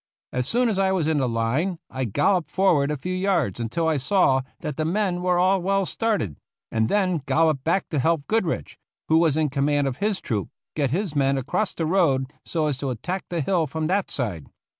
As soon as I was in the line I galloped forward a few yards until I saw that the men were well started, and then galloped back to help Goodrich, who was in command of his troop, get his men across the road so as to attack the hill from that side.